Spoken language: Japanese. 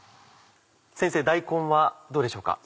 先生大根はどうでしょうか？